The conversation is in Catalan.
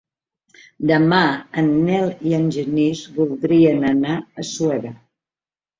Demà en Nel i en Genís voldrien anar a Suera.